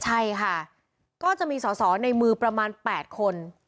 ใช่ค่ะก็จะมีสอสอในมือประมาณ๘คน